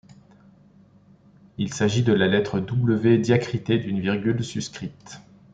Il s’agit de la lettre W diacritée d’une virgule suscrite.